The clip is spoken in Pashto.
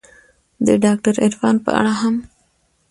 د داکتر عرفان په اړه هم